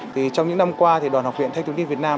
trong những năm qua đoàn học viện thay tướng điên việt nam